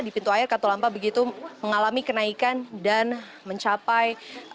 di pintu air katulampa begitu mengalami kenaikan dan mencapai